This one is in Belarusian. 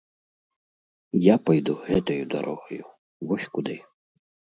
Я пайду гэтаю дарогаю, вось куды!